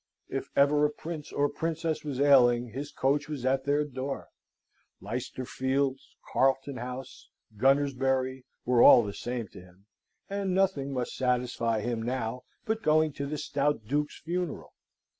If ever a prince or princess was ailing, his coach was at their door: Leicester Fields, Carlton House, Gunnersbury, were all the same to him, and nothing must satisfy him now but going to the stout duke's funeral.